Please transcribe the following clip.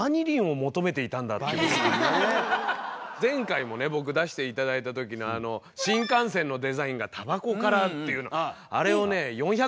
俺は前回もね僕出して頂いた時の新幹線のデザインがタバコからっていうのあれをね